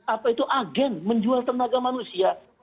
apa itu agen menjual tenaga manusia